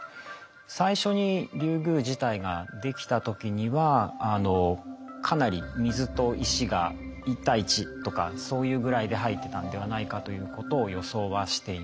最初にリュウグウ自体が出来た時にはかなり水と石が１対１とかそういうぐらいで入ってたんではないかということを予想はしています。